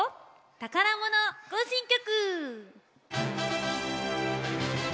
「たからもの行進曲」！